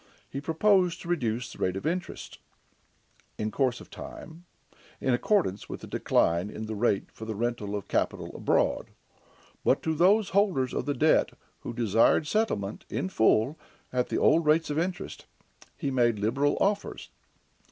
He proposed to reduce the rate of interest, in course of time, in accordance with the decline in the rate for the rental of capital abroad, but to those holders of the debt who desired settlement in full at the old rates of interest, he made liberal offers.